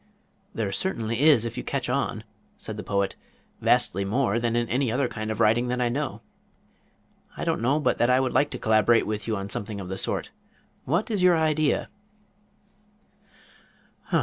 "There certainly is if you catch on," said the Poet. "Vastly more than in any other kind of writing that I know. I don't know but that I would like to collaborate with you on something of the sort. What is your idea?"